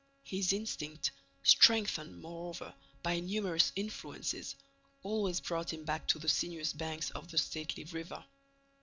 His instinct, strengthened, moreover, by numerous influences, always brought him back to the sinuous banks of the stately river.